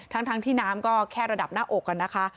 ทั้งที่น้ำก็แค่ระดับหน้าอกกันนะคะ